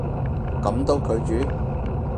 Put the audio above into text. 噉都拒絕？